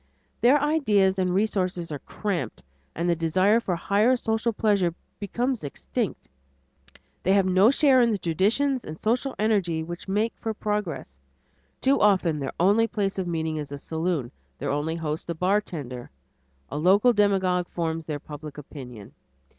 Their ideas and resources are cramped, and the desire for higher social pleasure becomes extinct. They have no share in the traditions and social energy which make for progress. Too often their only place of meeting is a saloon, their only host a bartender; a local demagogue forms their public opinion.